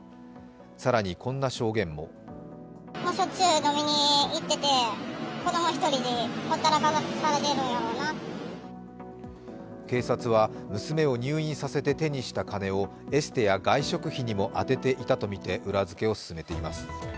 更にこんな証言も警察は、娘を入院させて手にした金をエステや外食費にも充てていたとみて裏づけを進めています。